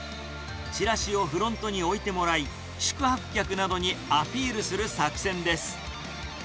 チラシをフロントに置いてもらい、宿泊客などにアピールする作戦です。